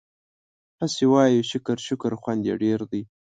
هسې وايو شکر شکر خوند يې ډېر دی